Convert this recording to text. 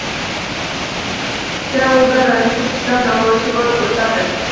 Seulda «Rangsiz tushlar» namoyishi bo‘lib o‘tadi